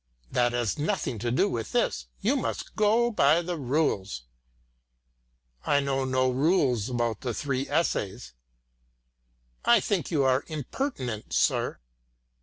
"That has nothing to do with this. You must go by the rules." "I know no rules about the three essays." "I think you are impertinent, sir."